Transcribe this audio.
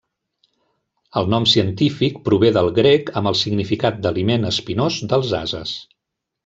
El nom científic prové del grec amb el significat d'aliment espinós dels ases.